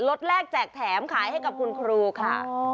รถแรกแจกแถมขายให้กับคุณครูค่ะ